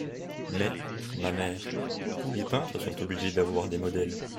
Mais, ma mère, tous les peintres sont obligés d’avoir des modèles.